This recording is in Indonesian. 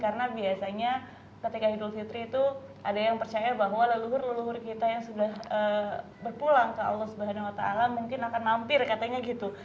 karena biasanya ketika idul fitri itu ada yang percaya bahwa leluhur leluhur kita yang sudah berpulang ke allah swt mungkin akan mampir katanya gitu